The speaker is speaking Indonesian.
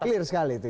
clear sekali itu ya